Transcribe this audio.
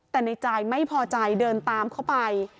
แต่ในจ่ายไม่พอใจเดินตามเข้าไป